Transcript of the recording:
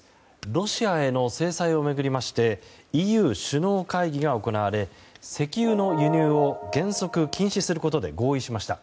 ロシアへの制裁を巡りましてＥＵ首脳会議が行われ石油の輸入を原則禁止することで合意しました。